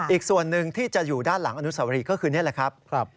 อีกส่วนหนึ่งที่จะอยู่ด้านหลังอนุสาวรีก็คือนี่แหละครับ